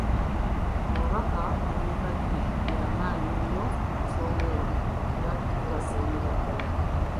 Abataka muli mpagi y'amannyi nnyo mu nsonga eno era tubasiimira ddala.